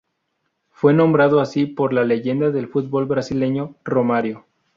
Fue nombrado así por la leyenda del fútbol brasileño Romário.